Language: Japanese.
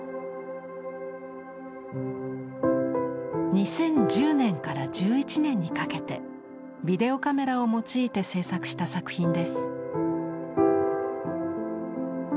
２０１０年から１１年にかけてビデオカメラを用いて制作した作品です。